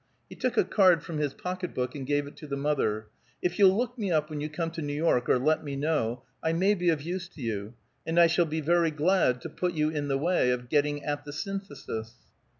He took a card from his pocketbook, and gave it to the mother. "If you'll look me up when you come to New York, or let me know, I may be of use to you, and I shall be very glad to put you in the way of getting at the Synthesis."